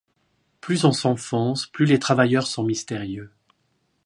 Plus on s'enfonce, plus les travailleurs sont mystérieux.